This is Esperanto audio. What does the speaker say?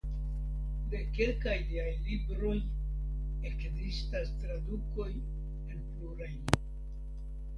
De kelkaj liaj libroj ekzistas tradukoj en plurajn lingvojn.